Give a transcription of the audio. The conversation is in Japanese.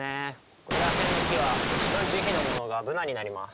ここいら辺の木は白い樹皮のものがブナになります。